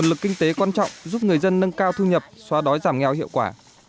lực kinh tế quan trọng giúp người dân nâng cao thu nhập xóa đói giảm nghèo hiệu quả